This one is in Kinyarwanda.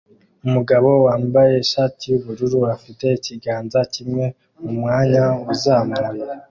Umugabo wambaye ishati yubururu afite ikiganza kimwe mumwanya uzamuye